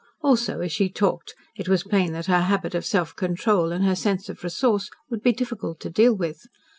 Also, as she talked, it was plain that her habit of self control and her sense of resource would be difficult to deal with.